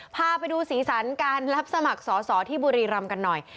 พาไปดูสีสันการรับสมัครสอสอที่บุรีรำกันหน่อย